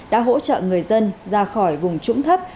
đã hỗ trợ người dân ra khỏi vùng trũng thấp